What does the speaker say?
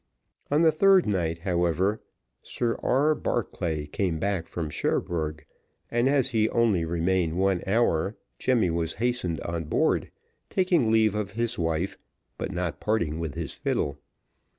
On the third night, however, Sir R. Barclay came back from Cherbourg, and as he only remained one hour, Jemmy was hastened on board, taking leave of his wife, but not parting with his fiddle.